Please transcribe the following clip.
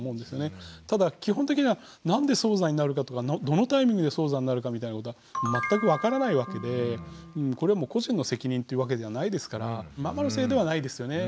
ただ基本的には何で早産になるかとかどのタイミングで早産になるかみたいなことは全く分からないわけでこれはもう個人の責任っていうわけではないですからママのせいではないですよね。